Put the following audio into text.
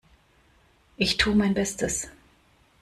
Ich tu mein Bestes.